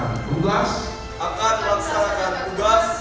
akan melaksanakan tugas